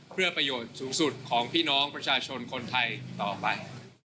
เพื่อประโยชน์สูงสุดของพี่น้องประชาชนคนไทยต่อไป